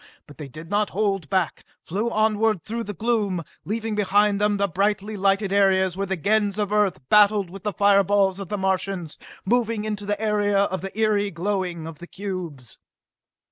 But they did not hold back, flew onward through the gloom, leaving behind them the brightly lighted areas where Gens of Earth battled with the fireballs of the Martians, moving into the area of the eery glowing of the cubes.